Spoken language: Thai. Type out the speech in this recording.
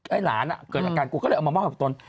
หลานเกิดอาการกลัวก็เลยเอามามอบกับตน